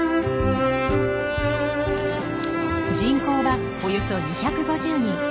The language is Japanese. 人口はおよそ２５０人。